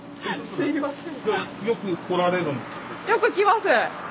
すいません。